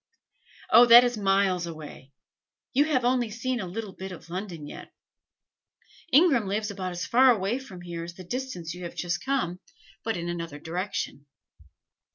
"Oh, that is miles away. You have only seen a little bit of London yet. Ingram lives about as far away from here as the distance you have just come, but in another direction."